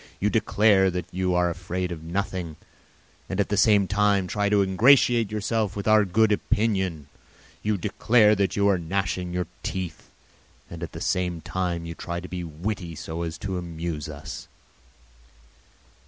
You declare that you are afraid of nothing and at the same time try to ingratiate yourself in our good opinion. You declare that you are gnashing your teeth and at the same time you try to be witty so as to amuse us.